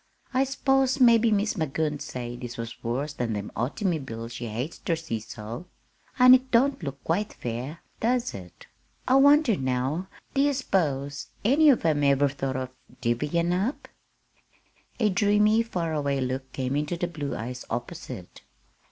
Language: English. "I s'pose mebbe Mis' Magoon'd say this was worse than them autymobiles she hates ter see so; an' it don't look quite fair; does it? I wonder now, do ye s'pose any one of 'em ever thought of divvyin' up?" A dreamy, far away look came into the blue eyes opposite.